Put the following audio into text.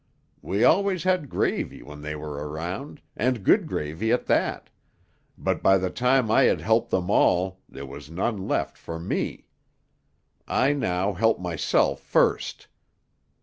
We always had gravy when they were around, and good gravy at that; but by the time I had helped them all, there was none left for me. I now help myself first.